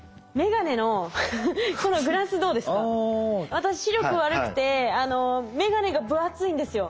私視力悪くてめがねが分厚いんですよ。